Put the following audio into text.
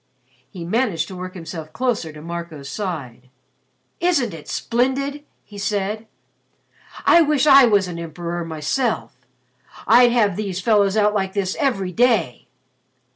He managed to work himself closer to Marco's side. "Isn't it splendid?" he said, "I wish I was an emperor myself. I'd have these fellows out like this every day."